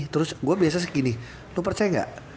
terus gue biasa gini lo percaya gak